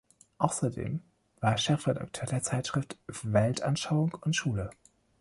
Außerdem war er Chefredakteur der Zeitschrift „Weltanschauung und Schule“.